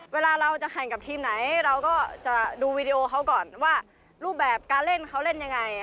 เวลาเราจะแข่งกับทีมไหนเราก็จะดูวีดีโอเขาก่อนว่ารูปแบบการเล่นเขาเล่นยังไง